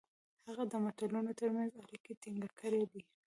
هغه د ملتونو ترمنځ اړیکې ټینګ کړي دي.